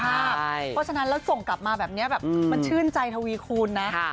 เพราะฉะนั้นแล้วส่งกลับมาแบบนี้แบบมันชื่นใจทวีคูณนะ